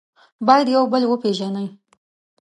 باید یو بل وپېژنئ.